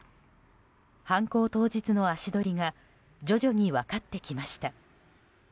犯行当日の足取りが徐々に分かってきました。